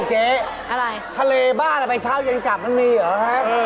นี่เจ๊ทะเลบ้าใหนไปเช้าเย็นกลับมันมีเหรอครับ